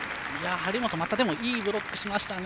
張本いいブロックしましたね。